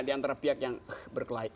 di antara pihak yang berkelahi